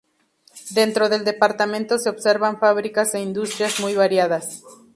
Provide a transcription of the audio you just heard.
Dentro del departamento se observan fábricas e industrias muy variadas.